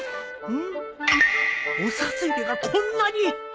お札入れがこんなに！